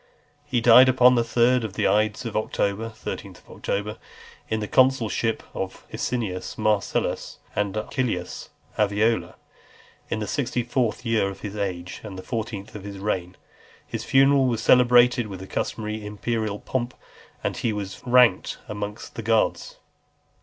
He died upon the third of the ides of October [13th October], in the consulship of Asinius Marcellus and Acilius Aviola, in the sixty fourth year of his age, and the fourteenth of his reign . His funeral was celebrated with the customary imperial pomp, and he was ranked amongst the gods.